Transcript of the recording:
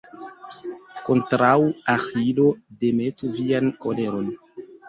Kontraŭ Aĥilo demetu vian koleron.